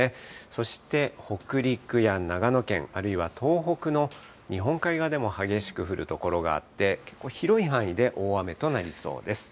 そして北陸や長野県、あるいは東北の日本海側でも激しく降る所があって、結構広い範囲で大雨となりそうです。